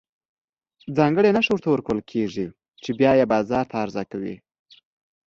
ځانګړې نښه ورته ورکول کېږي چې بیا یې بازار ته عرضه کوي.